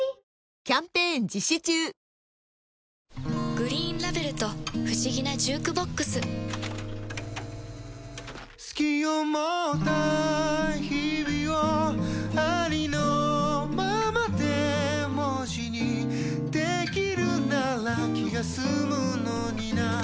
「グリーンラベル」と不思議なジュークボックス“好き”を持った日々をありのままで文字にできるなら気が済むのにな